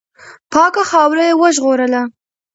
پاکه خاوره یې وژغورله.